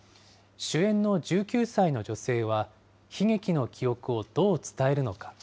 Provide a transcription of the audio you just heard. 主演の１９歳の女性は、悲劇の記憶をどう伝えるのか。